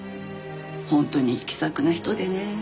本当に気さくな人でね。